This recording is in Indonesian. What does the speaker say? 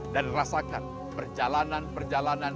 dan rasakan perjalanan perjalanan